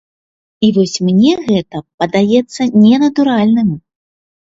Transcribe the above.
І вось мне гэта падаецца ненатуральным.